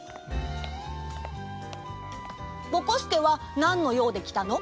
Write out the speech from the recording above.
ぼこすけはなんのようできたの？